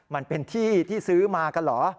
มันเป็นที่ที่ซื้อมากันเหรอ